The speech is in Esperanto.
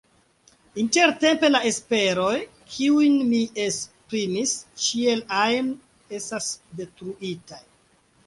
Intertempe la esperoj, kiujn mi esprimis, ĉiel ajn estas detruitaj.